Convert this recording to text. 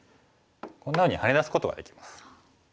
こんなふうにハネ出すことができます。